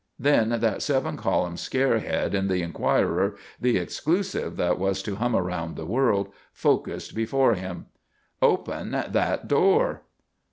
Then that seven column scare head in the Enquirer the exclusive that was to hum around the world, focussed before him. "Open that door!"